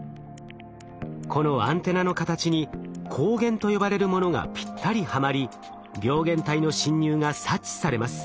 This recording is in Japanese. このアンテナの形に抗原と呼ばれるものがぴったりはまり病原体の侵入が察知されます。